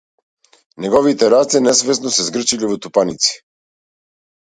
Неговите раце несвесно се згрчиле во тупаници.